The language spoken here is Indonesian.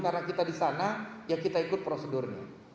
karena kita di sana ya kita ikut prosedurnya